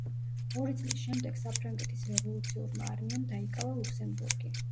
ორი წლის შემდეგ საფრანგეთის რევოლუციურმა არმიამ დაიკავა ლუქსემბურგი.